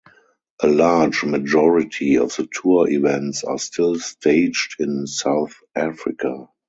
A large majority of the tour events are still staged in South Africa.